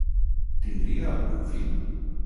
Tindria algun fill?